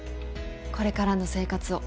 これからの生活を。